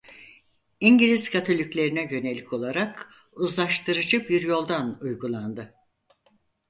İngiliz Katoliklerine yönelik olarak uzlaştırıcı bir yoldan uygulandı.